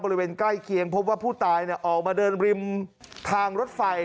ใกล้เคียงพบว่าผู้ตายออกมาเดินริมทางรถไฟ